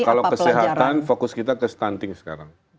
kalau kesehatan fokus kita ke stunting sekarang